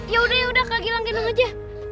yaudah kak gila gila gila aja